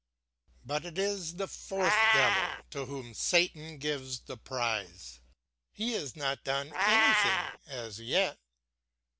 But it is the fourth devil to whom Satan gives the prize. He has not done anything as yet.